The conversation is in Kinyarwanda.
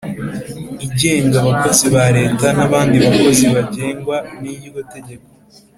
Igenga abakozi ba Leta n’ abandi bakozi bagengwa niryo tegeko